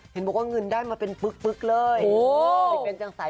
เห็นบอกว่าเงินได้มาเป็นปึ๊กเลยจังใส